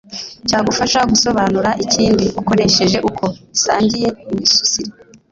cyagufasha gusobanura ikindi ukoresheje uko bisangiye imisusire